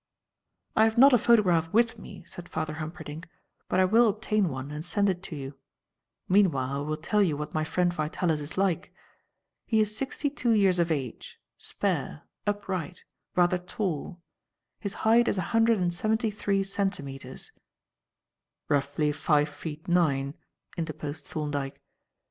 "I have not a photograph with me," said Father Humperdinck, "but I will obtain one and send it to you. Meanwhile I will tell you what my friend Vitalis is like. He is sixty two years of age, spare, upright, rather tall his height is a hundred and seventy three centimetres " "Roughly five feet nine," interposed Thorndyke.